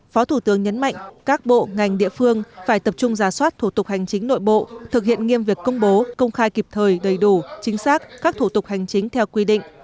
phó thủ tướng nhấn mạnh các bộ ngành địa phương phải tập trung giả soát thủ tục hành chính nội bộ thực hiện nghiêm việc công bố công khai kịp thời đầy đủ chính xác các thủ tục hành chính theo quy định